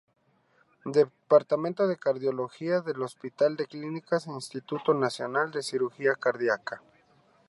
Departamento de Cardiología del Hospital de Clínicas e Instituto Nacional de Cirugía Cardíaca.